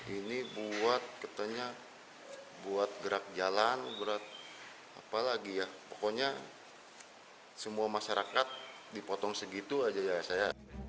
ini buat gerak jalan pokoknya semua masyarakat dipotong segitu saja